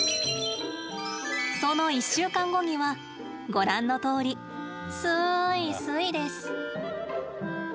その１週間後にはご覧のとおり、スイスイです。